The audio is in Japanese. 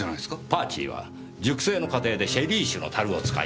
「パーチー」は熟成の過程でシェリー酒の樽を使います。